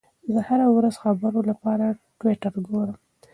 زه هره ورځ د خبرونو لپاره ټویټر ګورم.